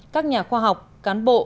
các nhà khoa học cán bộ